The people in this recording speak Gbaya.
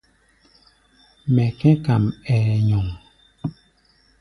Mɛ kɛ̧́ kam, ɛɛ nyɔŋ.